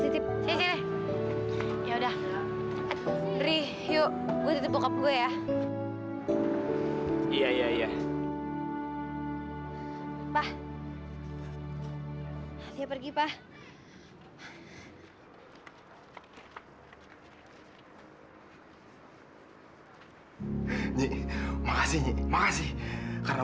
terus memanggil kamu